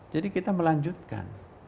jadi kita melanjutkan